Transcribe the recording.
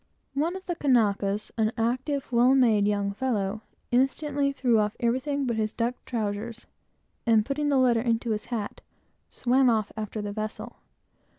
One of the Kanakas, a fine, active, well made young fellow, instantly threw off everything but his duck trowsers, and putting the letter into his hat, swam off, after the vessel.